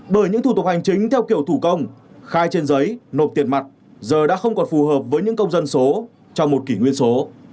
bởi những thủ tục hành chính theo kiểu thủ công khai trên giấy nộp tiền mặt giờ đã không còn phù hợp với những công dân số trong một kỷ nguyên số